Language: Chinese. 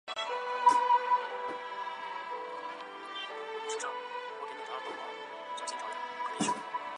在民用领域使用自动目标识别也有着越来越多的尝试。